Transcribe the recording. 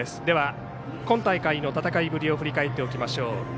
では、今大会の戦いぶりを振り返っておきましょう。